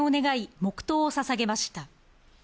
黙祷をささげました。